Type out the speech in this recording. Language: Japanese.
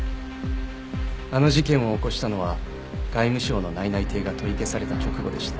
あの事件を起こしたのは外務省の内々定が取り消された直後でした。